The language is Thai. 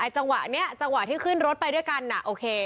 จังหวะนี้จังหวะที่ขึ้นรถไปด้วยกันโอเค